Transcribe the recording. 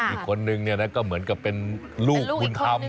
อีกคนนึงก็เหมือนกับเป็นลูกคุณคำ